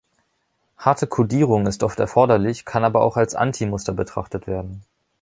Harte Kodierung ist oft erforderlich, kann aber auch als Anti-Muster betrachtet werden.